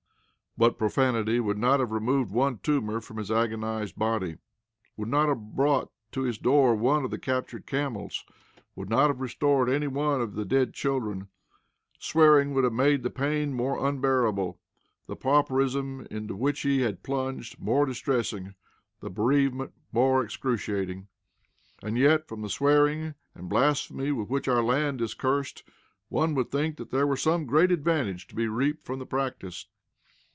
But profanity would not have removed one tumor from his agonized body; would not have brought to his door one of the captured camels; would not have restored any one of the dead children. Swearing would have made the pain more unbearable, the pauperism into which he had plunged more distressing, the bereavement more excruciating. And yet, from the swearing and blasphemy with which our land is cursed, one would think there were some great advantage to be reaped from the practice.